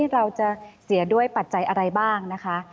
เราจะเสียด้วยปัจจัยอะไรบ้างนะคะ